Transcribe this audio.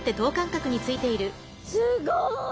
すごい！